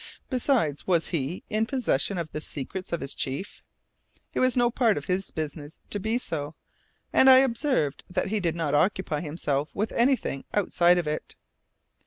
Besides, was he in possession of the secrets of his chief? It was no part of his business to be so, and I had observed that he did not occupy himself with anything outside of it.